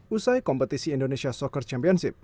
usai kompetisi indonesia soccer championship